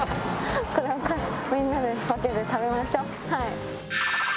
これをみんなで分けて食べましょ。